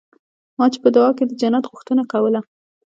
ما چې په دعا کښې د جنت غوښتنه کوله.